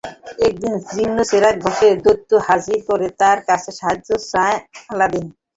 একদিন জীর্ণ চেরাগ ঘষে দৈত্য হাজির করে তার কাছে সাহায্য চায় আলাদিন।